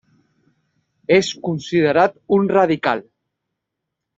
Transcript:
És considerat un radical.